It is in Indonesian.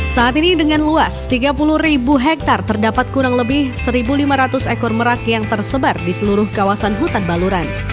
saat ini dengan luas tiga puluh hektare terdapat kurang lebih satu lima ratus ekor merak yang tersebar di seluruh kawasan hutan baluran